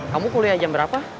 kamu kuliah jam berapa